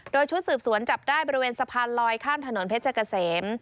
โดยชุดสืบสวนจับได้บริเวณสะพานลอยข้ามถนนเพชรเกษม